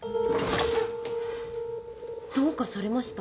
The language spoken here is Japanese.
どうかされました？